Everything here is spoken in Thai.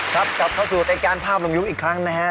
ครับพบเข้าสู่กันภาพลงยุคอีกครั้งนะครับ